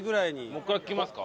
もう１回聞きますか？